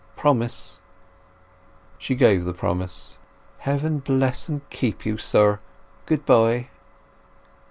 Promise." She gave the promise. "Heaven bless and keep you, sir. Goodbye!"